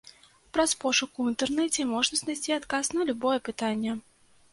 Праз пошук у інтэрнэце можна знайсці адказ на любое пытанне.